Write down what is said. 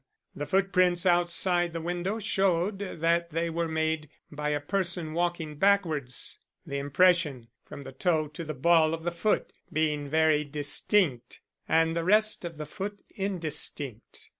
The footprints outside the window showed that they were made by a person walking backwards; the impression from the toe to the ball of the foot being very distinct and the rest of the foot indistinct.